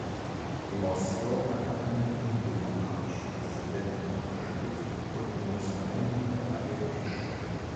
Moskau hatte einen undemokratischen Präsidenten unterstützt und musste eine Niederlage einstecken.